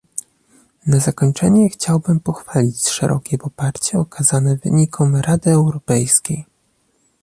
Na zakończenie chciałbym pochwalić szerokie poparcie okazane wynikom Rady Europejskiej